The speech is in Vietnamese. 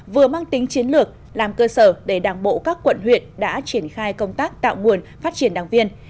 vừa mang tính chiến lược làm cơ sở để đảng bộ các quận huyện đã triển khai công tác tạo nguồn phát triển đảng viên